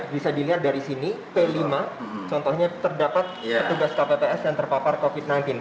bisa dilihat dari sini p lima contohnya terdapat petugas kpps yang terpapar covid sembilan belas